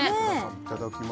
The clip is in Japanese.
いただきまーす